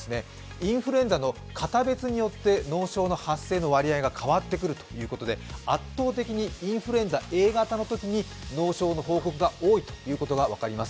インフルエンザの型別によって脳症の発症の割合が変わってくるということで圧倒的にインフルエンザＡ型のときに脳症の報告が多いことが分かります。